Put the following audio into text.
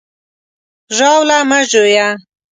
ژاوله مه ژویه!